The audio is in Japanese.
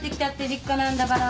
実家なんだから。